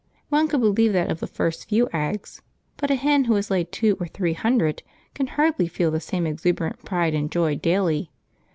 One could believe that of the first few eggs, but a hen who has laid two or three hundred can hardly feel the same exuberant pride and joy daily.